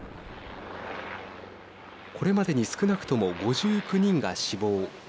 これまでに少なくとも５９人が死亡。